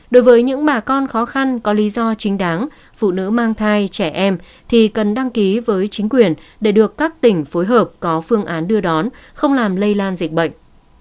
đối với những bà con khó khăn có lý do chính đáng phụ nữ mang thai trẻ em thì cần đăng ký với chính quyền để được các tỉnh phối hợp có phương án đưa đón không làm lây lan dịch bệnh